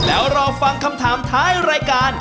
แล้วรอฟังคำถามท้ายรายการ